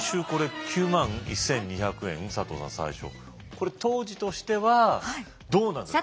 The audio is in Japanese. これ当時としてはどうなんですか？